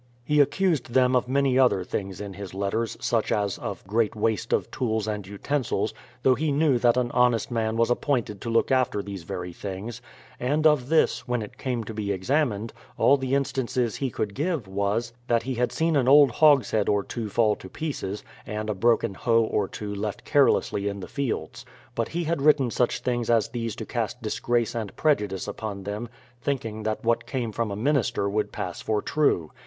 He accused them of many other things in his letters such as of great waste of tools and utensils — though he knew that an honest man was appointed to look after these very things; and of this, when it came to be examined, all the instances he could give was, that he had seen an old hogs head or two fall to pieces, and a broken hoe or two left care lessly in the fields. But he had written such things as these to cast disgrace and prejudice upon them thinking that what came from a minister would pass for true.